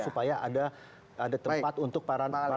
supaya ada tempat untuk para nelayan